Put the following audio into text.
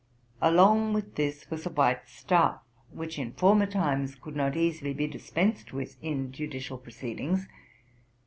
Along with this was a white staff, which in former times could not easily be dispensed with in judicial proceedings.